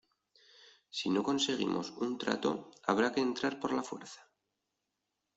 Si no conseguimos un trato habrá que entrar por la fuerza.